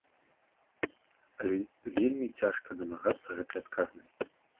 Але вельмі цяжка дамагацца гэтай адказнасці.